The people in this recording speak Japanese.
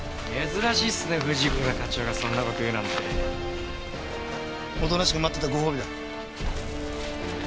珍しいっすね藤倉課長がそんな事言うなんて。おとなしく待ってたご褒美だ。